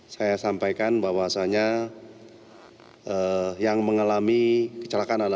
saya sampaikan bahwasannya yang mengalami kecelakaan adalah